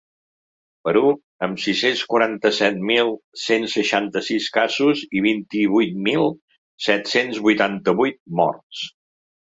Perú, amb sis-cents quaranta-set mil cent seixanta-sis casos i vint-i-vuit mil set-cents vuitanta-vuit morts.